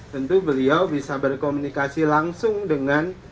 tentu beliau bisa berkomunikasi langsung dengan